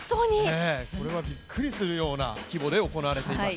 これはびっくりするような規模で行われています。